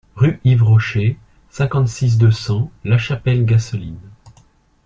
Rue Yves Rocher, cinquante-six, deux cents La Chapelle-Gaceline